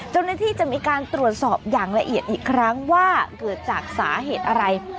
เจ้าหน้าที่จะมีการตรวจสอบอย่างละเอียดอีกครั้งว่าเกิดจากสาเหตุอะไร